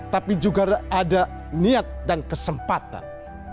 tapi juga ada niat dan kesempatan